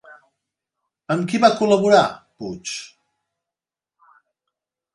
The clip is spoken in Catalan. Amb qui va col·laborar Puig?